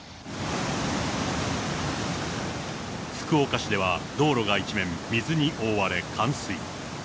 福岡市では道路が一面、水に覆われ、冠水。